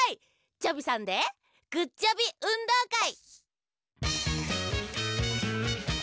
チョビさんで「グッチョビうんどうかい」。